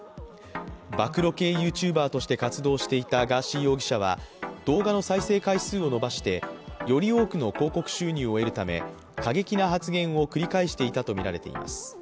暴露系ＹｏｕＴｕｂｅｒとして活動していたガーシー容疑者は動画の再生回数を伸ばしてより多くの広告収入を得るため過激な発言を繰り返していたとみられています。